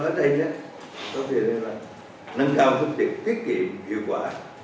trong thời gian này là nâng cao phương tiện thiết kiệm hiệu quả